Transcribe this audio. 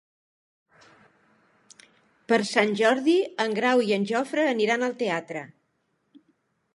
Per Sant Jordi en Grau i en Jofre aniran al teatre.